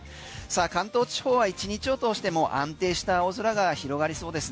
関東地方は１日を通して安定した青空が広がりそうです。